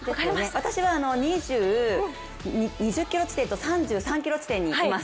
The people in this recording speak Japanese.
私は２０ｋｍ地点と３３ｋｍ地点にいます。